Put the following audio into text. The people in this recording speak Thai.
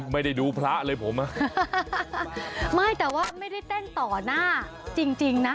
ไม่ได้ดูพระเลยผมอ่ะไม่แต่ว่าไม่ได้เต้นต่อหน้าจริงจริงนะ